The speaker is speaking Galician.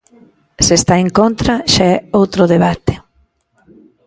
Se está en contra, xa é outro debate.